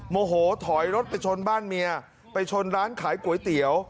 โมโหถอยรถไปชนบ้านเมียไปชนร้านขายก๋วยเตี๋ยว